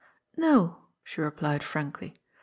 " No," she replied frankly.